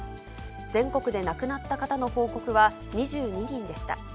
全国で亡くなった方の報告は２２人でした。